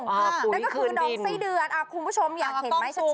นั่นก็คือดอกไส้เดือนคุณผู้ชมอยากเห็นไหมชุม